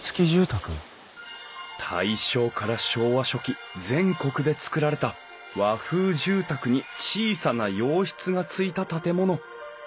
大正から昭和初期全国で造られた和風住宅に小さな洋室がついた建物。